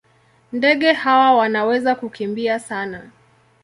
Ndege hawa wanaweza kukimbia sana.